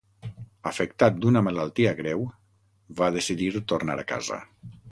Afectat d'una malaltia greu, va decidir tornar a casa.